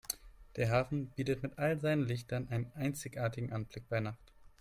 Der Hafen bietet mit all seinen Lichtern einen einzigartigen Anblick bei Nacht.